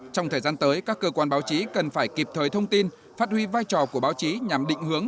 trong thời gian tới các cơ quan báo chí cần phải kịp thời thông tin phát huy vai trò của báo chí nhằm định hướng